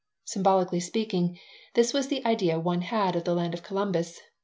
Symbolically speaking, this was the idea one had of the "land of Columbus."